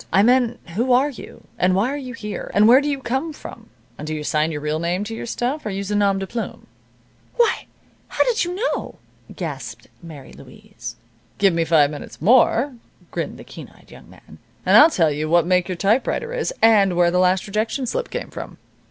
I meant who are you, and why are you here, and where do you come from, and do you sign your real name to your stuff, or use a nom de plume?" "Why how did you know?" gasped Mary Louise. "Give me five minutes more," grinned the keen eyed young man, "and I'll tell you what make your typewriter is, and where the last rejection slip came from."